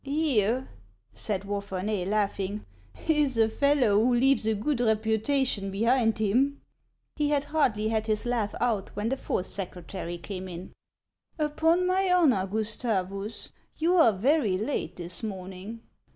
" Here," said Wapheruey, laughing, " is a fellow who leaves a good reputation behind him !" He had hardly had his laugh out when the fourth secre tary came in. "Upon my honor, Gustavus, you are very late this morn ing.